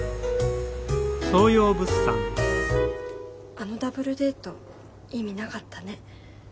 あのダブルデート意味なかったね。ね。